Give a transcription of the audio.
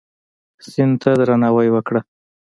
سیند ته درناوی وکړه.